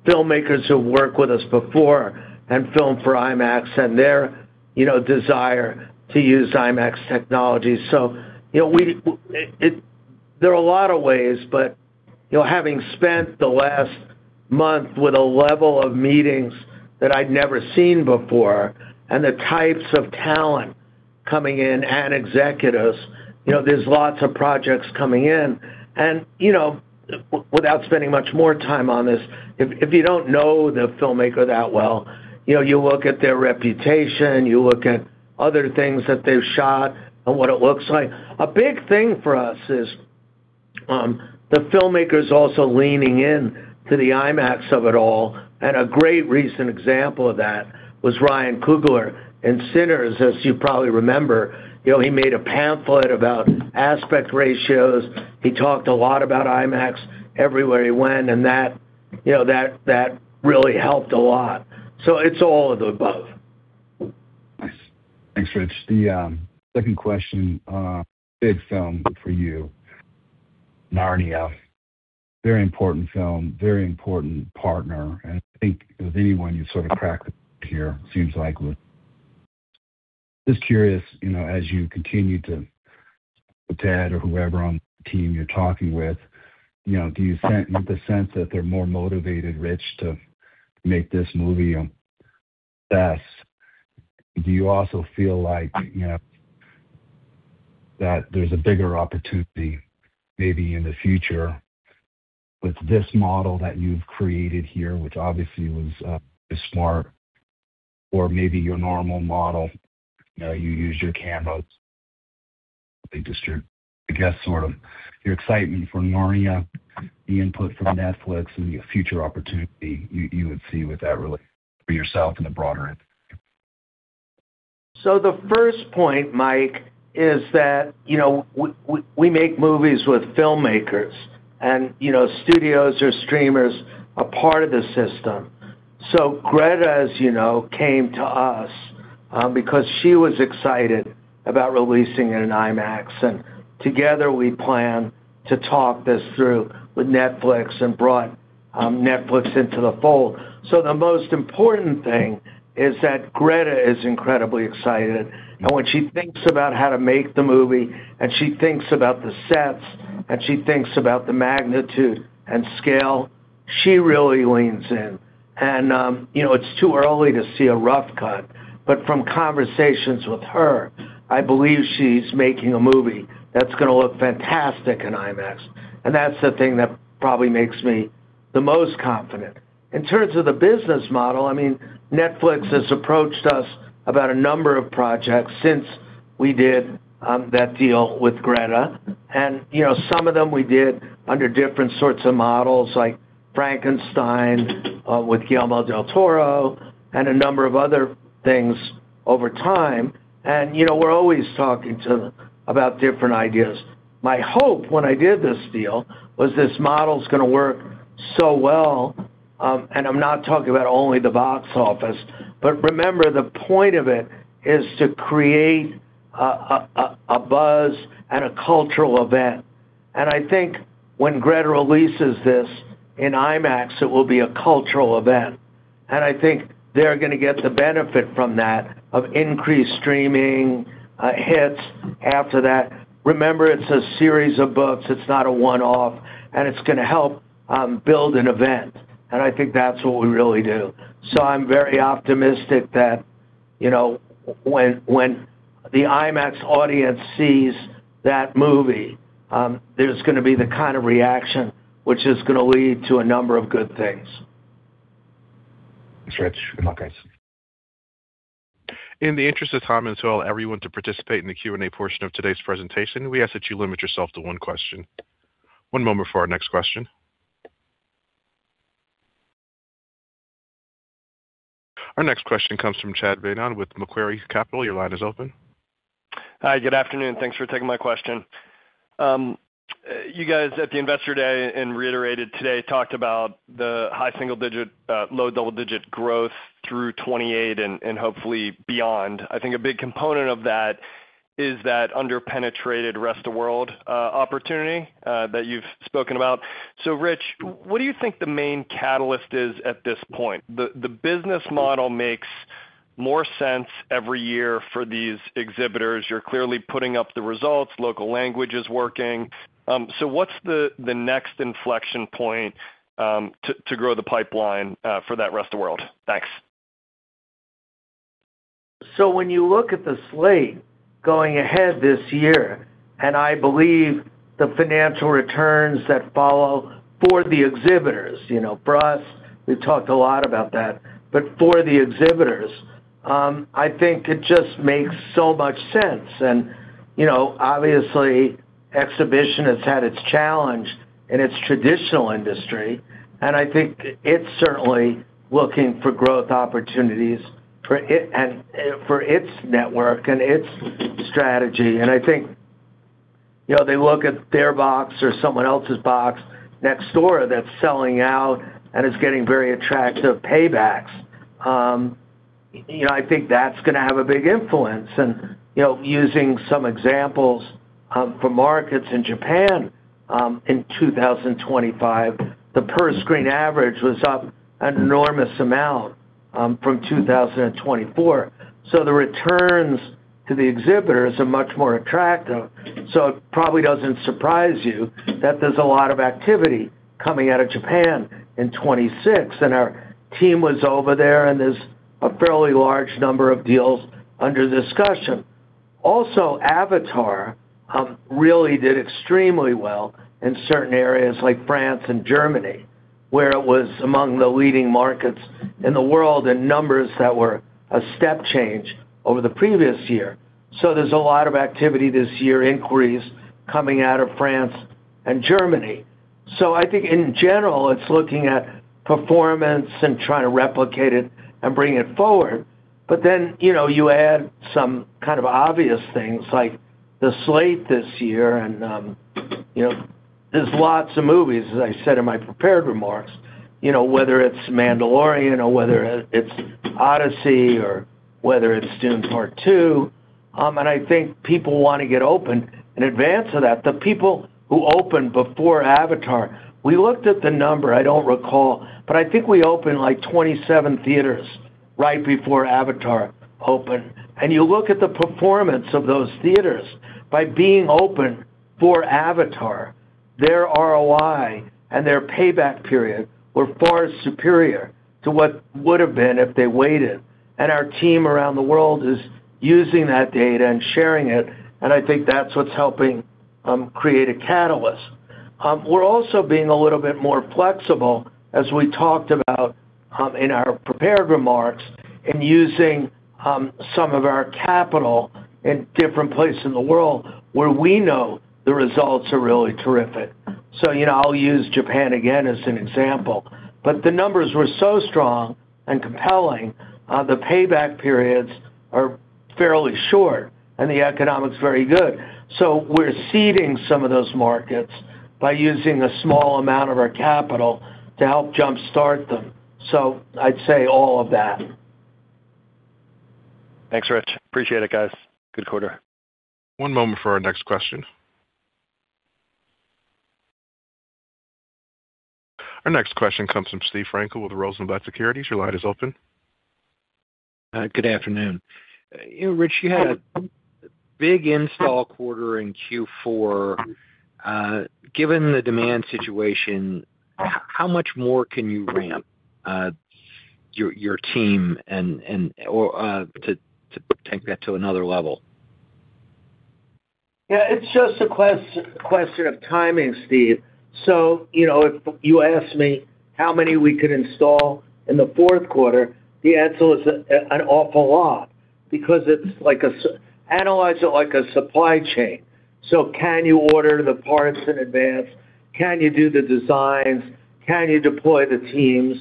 filmmakers who worked with us before and Filmed for IMAX and their, you know, desire to use IMAX technology. You know, there are a lot of ways, but, you know, having spent the last month with a level of meetings that I'd never seen before, and the types of talent coming in and executives, you know, there's lots of projects coming in. You know, without spending much more time on this, if you don't know the filmmaker that well, you know, you look at their reputation, you look at other things that they've shot and what it looks like. A big thing for us is the filmmakers also leaning in to the IMAX of it all, and a great recent example of that was Ryan Coogler. In Sinners, as you probably remember, you know, he made a pamphlet about aspect ratios. He talked a lot about IMAX everywhere he went, and that, you know, that really helped a lot. It's all of the above. Nice. Thanks, Rich. The second question, big film for you, Narnia. Very important film, very important partner. I think with anyone, you sort of cracked the here, seems like. Just curious, you know, as you continue to Ted or whoever on the team you're talking with, you know, do you sense that they're more motivated, Rich, to make this movie a success? Do you also feel like, you know, that there's a bigger opportunity maybe in the future with this model that you've created here, which obviously was smart, or maybe your normal model? You know, you use your canvas, I guess, sort of your excitement for Narnia, the input from Netflix, and your future opportunity you would see with that really for yourself and the broader end. The first point, Mike, is that, you know, we make movies with filmmakers, and, you know, studios or streamers are part of the system. Greta, as you know, came to us because she was excited about releasing it in IMAX, and together, we planned to talk this through with Netflix and brought Netflix into the fold. The most important thing is that Greta is incredibly excited. When she thinks about how to make the movie, and she thinks about the sets, and she thinks about the magnitude and scale, she really leans in. You know, it's too early to see a rough cut, but from conversations with her, I believe she's making a movie that's going to look fantastic in IMAX, and that's the thing that probably makes me the most confident. In terms of the business model, I mean, Netflix has approached us about a number of projects since we did that deal with Greta. You know, some of them we did under different sorts of models, like Frankenstein, with Guillermo del Toro and a number of other things over time. You know, we're always talking about different ideas. My hope when I did this deal was this model's going to work so well, I'm not talking about only the box office. Remember, the point of it is to create a buzz and a cultural event. I think when Greta releases this in IMAX, it will be a cultural event. I think they're going to get the benefit from that, of increased streaming, hits after that. Remember, it's a series of books. It's not a one-off, and it's going to help build an event, and I think that's what we really do. I'm very optimistic that, you know, when the IMAX audience sees that movie, there's going to be the kind of reaction which is going to lead to a number of good things. Thanks, Rich. Good luck, guys. In the interest of time and to allow everyone to participate in the Q&A portion of today's presentation, we ask that you limit yourself to one question. One moment for our next question. Our next question comes from Chad Beynon with Macquarie Capital. Your line is open. Hi, good afternoon. Thanks for taking my question. You guys, at the Investor Day and reiterated today, talked about the high single digit, low double-digit growth through 2028 and hopefully beyond. I think a big component of that is that underpenetrated rest of world opportunity that you've spoken about. Rich, what do you think the main catalyst is at this point? The business model makes more sense every year for these exhibitors. You're clearly putting up the results. Local language is working. What's the next inflection point to grow the pipeline for that rest of world? Thanks. When you look at the slate going ahead this year, and I believe the financial returns that follow for the exhibitors, you know, for us, we've talked a lot about that. For the exhibitors, I think it just makes so much sense. You know, obviously, exhibition has had its challenge in its traditional industry, and I think it's certainly looking for growth opportunities for its network and its strategy. I think, you know, they look at their box or someone else's box next door that's selling out, and it's getting very attractive paybacks. You know, I think that's gonna have a big influence. You know, using some examples, for markets in Japan, in 2025, the per-screen average was up an enormous amount, from 2024. The returns to the exhibitors are much more attractive. It probably doesn't surprise you that there's a lot of activity coming out of Japan in 2026, and our team was over there, and there's a fairly large number of deals under discussion. Avatar, really did extremely well in certain areas like France and Germany, where it was among the leading markets in the world, in numbers that were a step change over the previous year. There's a lot of activity this year, inquiries coming out of France and Germany. I think in general, it's looking at performance and trying to replicate it and bring it forward. Then, you know, you add some kind of obvious things like the slate this year, and, you know, there's lots of movies, as I said in my prepared remarks. You know, whether it's Mandalorian or whether it's The Odyssey or whether it's Dune: Part Two, I think people wanna get open. In advance of that, the people who opened before Avatar, we looked at the number, I don't recall, but I think we opened, like, 27 theaters right before Avatar opened. You look at the performance of those theaters. By being open for Avatar, their ROI and their payback period were far superior to what would have been if they waited. Our team around the world is using that data and sharing it, and I think that's what's helping create a catalyst. We're also being a little bit more flexible, as we talked about in our prepared remarks, in using some of our capital in different places in the world where we know the results are really terrific. You know, I'll use Japan again as an example, but the numbers were so strong and compelling, the payback periods are fairly short and the economics very good. We're seeding some of those markets by using a small amount of our capital to help jumpstart them. I'd say all of that. Thanks, Rich. Appreciate it, guys. Good quarter. One moment for our next question. Our next question comes from Steve Frankel with Rosenblatt Securities. Your line is open. Good afternoon. You know, Rich, you had a big install quarter in Q4. Given the demand situation, how much more can you ramp, your team and or to take that to another level? Yeah, it's just a question of timing, Steve. You know, if you asked me how many we could install in the fourth quarter, the answer was an awful lot because it's like analyze it like a supply chain. Can you order the parts in advance? Can you do the designs? Can you deploy the teams?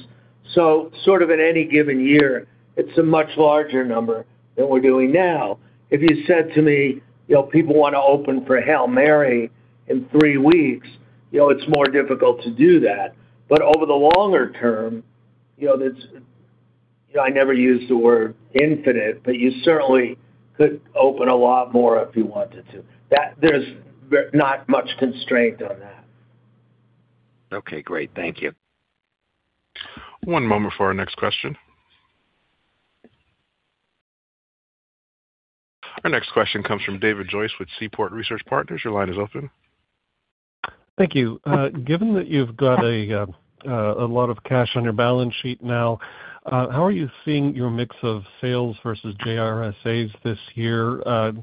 Sort of in any given year, it's a much larger number than we're doing now. If you said to me, you know, people wanna open for Hail Mary in 3 weeks, you know, it's more difficult to do that. Over the longer term, you know, I never use the word infinite, but you certainly could open a lot more if you wanted to. There's not much constraint on that. Okay, great. Thank you. One moment for our next question. Our next question comes from David Joyce with Seaport Research Partners. Your line is open. Thank you. Given that you've got a lot of cash on your balance sheet now, how are you seeing your mix of sales versus JRSAs this year?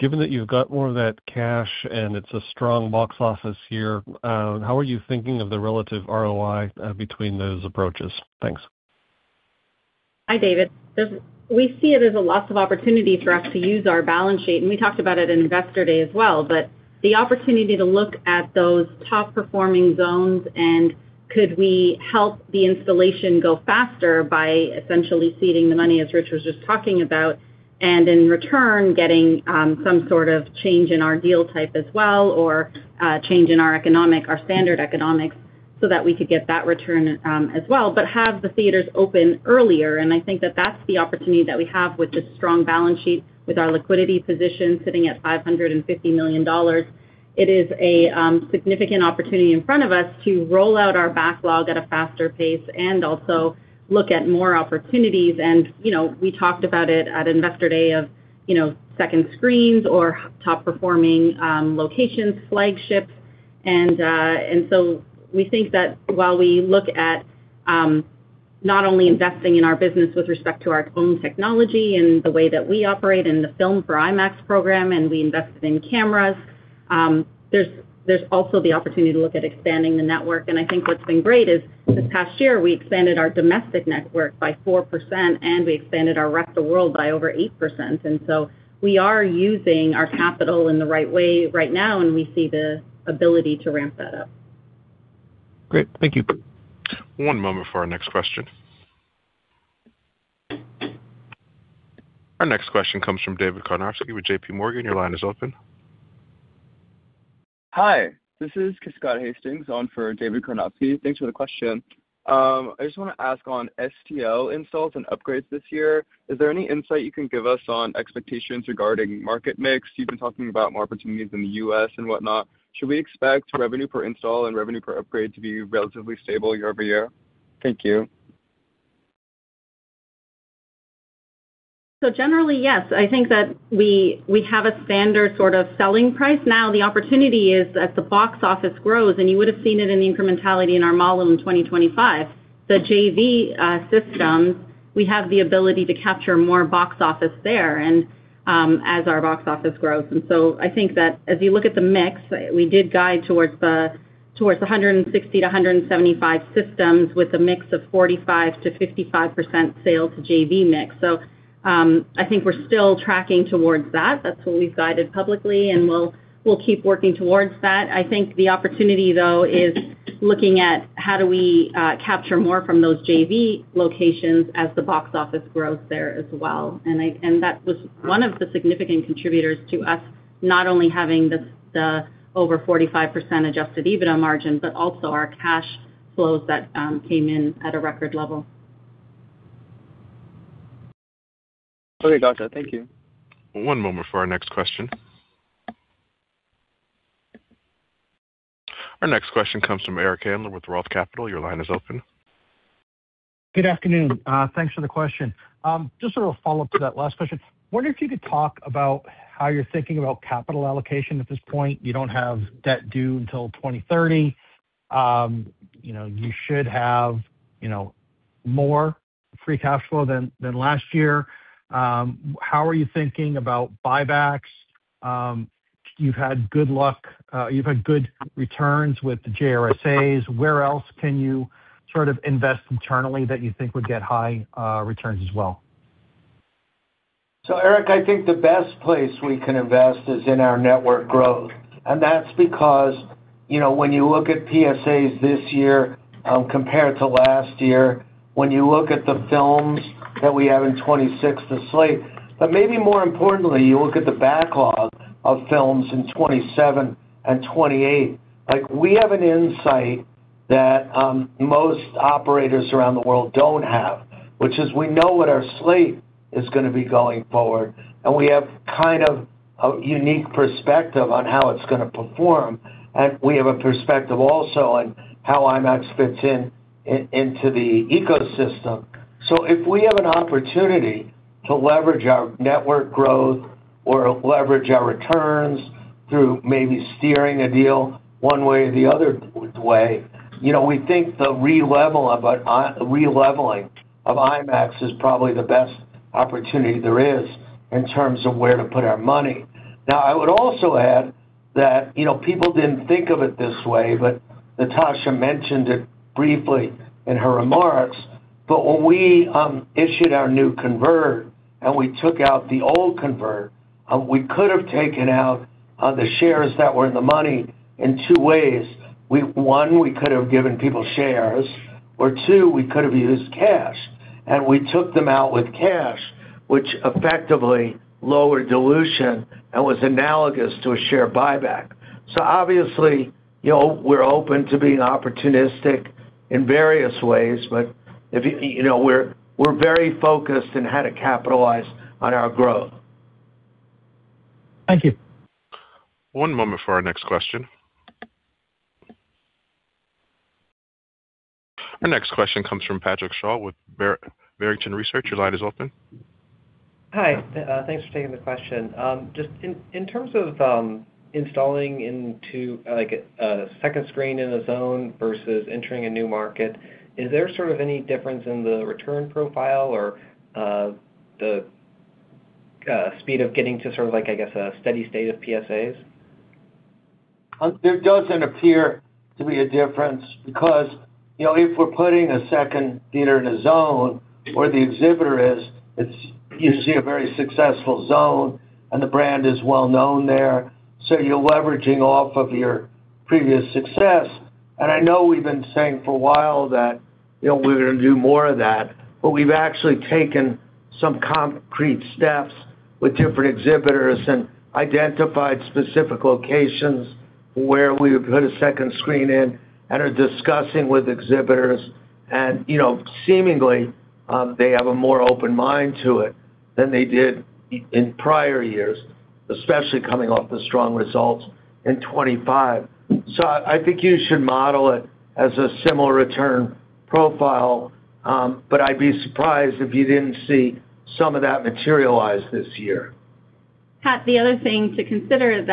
Given that you've got more of that cash and it's a strong box office year, how are you thinking of the relative ROI between those approaches? Thanks. Hi, David. We see it as a lots of opportunity for us to use our balance sheet, and we talked about it in Investor Day as well. The opportunity to look at those top-performing zones and could we help the installation go faster by essentially seeding the money, as Rich was just talking about, and in return, getting some sort of change in our deal type as well, or change in our economic, our standard economics, so that we could get that return as well, but have the theaters open earlier. I think that that's the opportunity that we have with this strong balance sheet, with our liquidity position sitting at $550 million. It is a significant opportunity in front of us to roll out our backlog at a faster pace and also look at more opportunities. You know, we talked about it at Investor Day of, you know, second screens or top-performing locations, flagships. We think that while we look at not only investing in our business with respect to our own technology and the way that we operate and the Filmed for IMAX program, we invested in cameras. There's also the opportunity to look at expanding the network. I think what's been great is, this past year, we expanded our domestic network by 4%, and we expanded our rest of world by over 8%. We are using our capital in the right way right now, and we see the ability to ramp that up. Great. Thank you. One moment for our next question. Our next question comes from David Karnovsky with JP Morgan. Your line is open. Hi, this is Scott Hastings on for David Karnovsky. Thanks for the question. I just wanna ask on STL installs and upgrades this year, is there any insight you can give us on expectations regarding market mix? You've been talking about more opportunities in the U.S. and whatnot. Should we expect revenue per install and revenue per upgrade to be relatively stable year-over-year? Thank you. Generally, yes. I think that we have a standard sort of selling price. The opportunity is as the box office grows, and you would have seen it in the incrementality in our model in 2025, the JV system, we have the ability to capture more box office there, and as our box office grows. I think that as you look at the mix, we did guide towards 160-175 systems with a mix of 45%-55% sales to JV mix. I think we're still tracking towards that. That's what we've guided publicly, and we'll keep working towards that. I think the opportunity, though, is looking at how do we capture more from those JV locations as the box office grows there as well. That was one of the significant contributors to us, not only having the over 45% Adjusted EBITDA margin, but also our cash flows that came in at a record level. Okay, gotcha. Thank you. One moment for our next question. Our next question comes from Eric Handler with Roth Capital. Your line is open. Good afternoon. Thanks for the question. Just a little follow-up to that last question. Wonder if you could talk about how you're thinking about capital allocation at this point. You don't have debt due until 2030. You know, you should have, you know, more free cash flow than last year. How are you thinking about buybacks? You've had good returns with the JRSA. Where else can you sort of invest internally that you think would get high returns as well? Eric, I think the best place we can invest is in our network growth, and that's because, you know, when you look at PSAs this year, compared to last year, when you look at the films that we have in 2026 to slate, but maybe more importantly, you look at the backlog of films in 2027 and 2028. Like, we have an insight that, most operators around the world don't have, which is we know what our slate is gonna be going forward, and we have kind of a unique perspective on how it's gonna perform, and we have a perspective also on how IMAX fits into the ecosystem. If we have an opportunity to leverage our network growth or leverage our returns through maybe steering a deal one way or the other way, you know, we think the releveling of IMAX is probably the best opportunity there is in terms of where to put our money. I would also add that, you know, people didn't think of it this way, but Natasha mentioned it briefly in her remarks. When we issued our new convert and we took out the old convert, we could have taken out the shares that were in the money in 2 ways. 1, we could have given people shares, or 2, we could have used cash, and we took them out with cash, which effectively lowered dilution and was analogous to a share buyback. Obviously, you know, we're open to being opportunistic in various ways, but, if you know, we're very focused on how to capitalize on our growth. Thank you. One moment for our next question. Our next question comes from Patrick Scholl with Barrington Research. Your line is open. Hi, thanks for taking the question. Just in terms of installing into a second screen in a zone versus entering a new market, is there sort of any difference in the return profile or the speed of getting to sort of, I guess, a steady state of PSAs? There doesn't appear to be a difference because, you know, if we're putting a second theater in a zone where the exhibitor is, you see a very successful zone, and the brand is well known there, so you're leveraging off of your previous success. I know we've been saying for a while that, you know, we're gonna do more of that, but we've actually taken some concrete steps with different exhibitors and identified specific locations where we would put a second screen in and are discussing with exhibitors. You know, seemingly, they have a more open mind to it than they did in prior years, especially coming off the strong results in 2025. I think you should model it as a similar return profile, but I'd be surprised if you didn't see some of that materialize this year. Pat, the other thing to consider is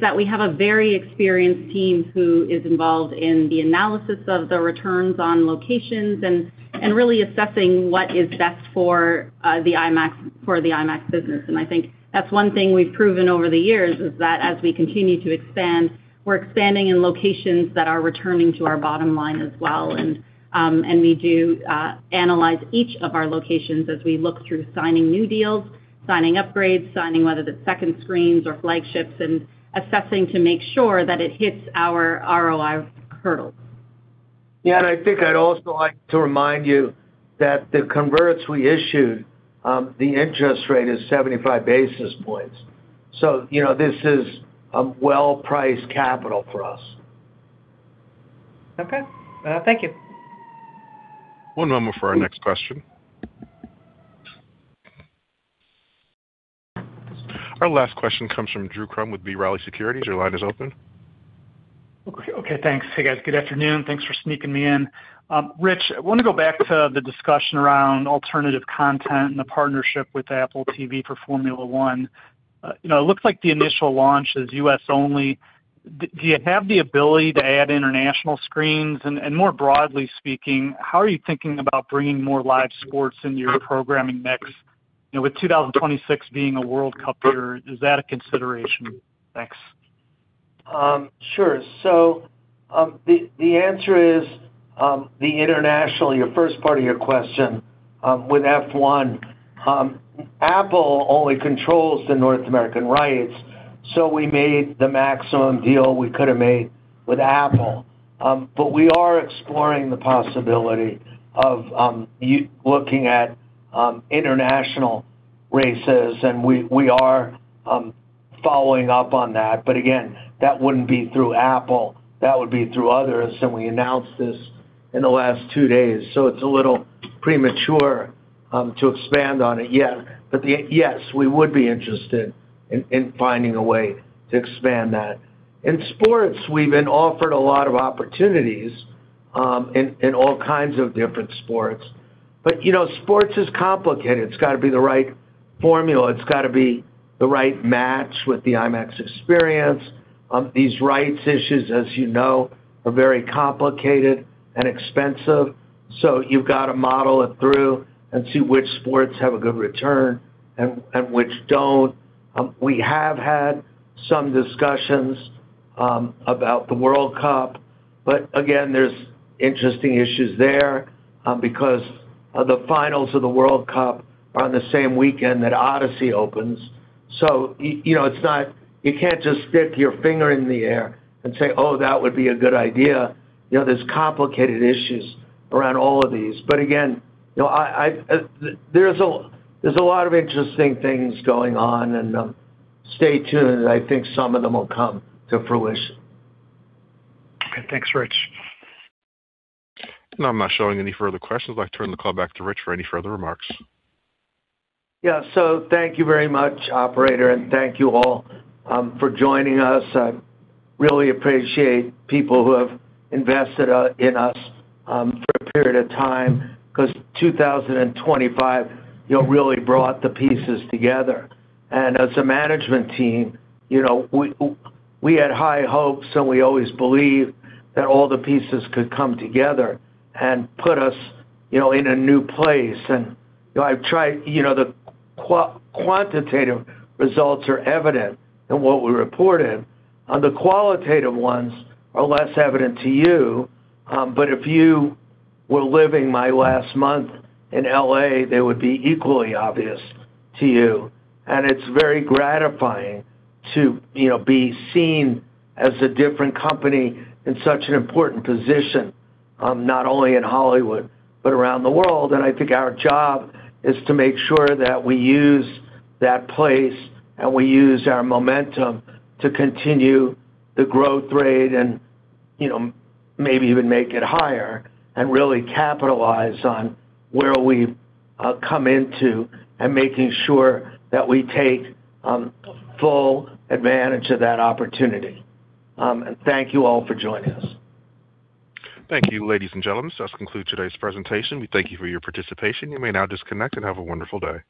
that we have a very experienced team who is involved in the analysis of the returns on locations and really assessing what is best for the IMAX brand. for the IMAX business. I think that's one thing we've proven over the years, is that as we continue to expand, we're expanding in locations that are returning to our bottom line as well. We do analyze each of our locations as we look through signing new deals, signing upgrades, signing whether it's second screens or flagships, and assessing to make sure that it hits our ROI hurdles. Yeah, I think I'd also like to remind you that the converts we issued, the interest rate is 75 basis points. You know, this is a well-priced capital for us. Okay. Thank you. One moment for our next question. Our last question comes from Drew Crum with B. Riley Securities. Your line is open. Okay, thanks. Hey, guys. Good afternoon. Thanks for sneaking me in. Rich, I wanna go back to the discussion around alternative content and the partnership with Apple TV for Formula 1. You know, it looks like the initial launch is U.S. only. Do you have the ability to add international screens? More broadly speaking, how are you thinking about bringing more live sports into your programming mix? You know, with 2026 being a World Cup year, is that a consideration? Thanks. Sure. The answer is the international, your first part of your question, with F1, Apple only controls the North American rights, so we made the maximum deal we could have made with Apple. We are exploring the possibility of looking at international races, and we are following up on that. Again, that wouldn't be through Apple, that would be through others, and we announced this in the last two days, so it's a little premature to expand on it yet. Yes, we would be interested in finding a way to expand that. In sports, we've been offered a lot of opportunities in all kinds of different sports. You know, sports is complicated. It's gotta be the right formula. It's gotta be the right match with the IMAX experience. These rights issues, as you know, are very complicated and expensive, so you've got to model it through and see which sports have a good return and which don't. We have had some discussions about the World Cup. Again, there's interesting issues there because the finals of the World Cup are on the same weekend that Odyssey opens. You know, you can't just stick your finger in the air and say, "Oh, that would be a good idea." You know, there's complicated issues around all of these. Again, you know, I, there's a lot of interesting things going on, and stay tuned, and I think some of them will come to fruition. Okay. Thanks, Rich. I'm not showing any further questions. I'd like to turn the call back to Rich for any further remarks. Thank you very much, operator, and thank you all for joining us. I really appreciate people who have invested in us for a period of time, 'cause 2025, you know, really brought the pieces together. As a management team, you know, we had high hopes, and we always believed that all the pieces could come together and put us, you know, in a new place. You know, the quantitative results are evident in what we reported, and the qualitative ones are less evident to you, but if you were living my last month in L.A., they would be equally obvious to you. It's very gratifying to, you know, be seen as a different company in such an important position, not only in Hollywood, but around the world. I think our job is to make sure that we use that place and we use our momentum to continue the growth rate and, you know, maybe even make it higher and really capitalize on where we come into, and making sure that we take full advantage of that opportunity. Thank you all for joining us. Thank you, ladies and gentlemen. This does conclude today's presentation. We thank you for your participation. You may now disconnect and have a wonderful day.